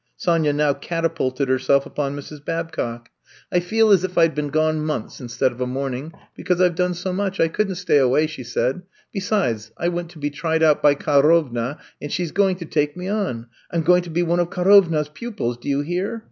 Sonya now catapulted herself upon Mrs. Babcock. I'VE COME TO STAY 121 I feel as if I M been gone months in stead of a morning because I 've done so much. I couldn't stay away/' she said. Besides I went to be tried out by Ka rovna, and she 's going to take me on. I 'm going to be one of Karovna 's pupils, do you hear?